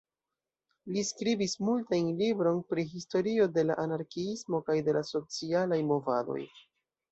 Li skribis multajn libron pri historio de la anarkiismo kaj de la socialaj movadoj.